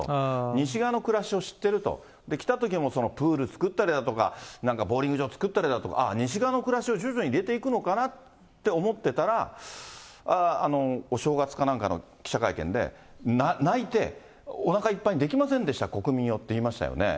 西側の暮らしを知ってると、来たときもプール作ったりだとか、なんかボウリング場作ったりとか、ああ、西側の暮らしを徐々に入れていくのかなと思ってたら、お正月かなんかの記者会見で、泣いて、おなかいっぱいにできませんでした、国民をと言いましたよね。